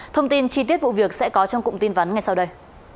thông tin chi tiết vụ việc sẽ có trong cụm tin vắn ngay sau đây